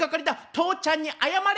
父ちゃんに謝れ！」。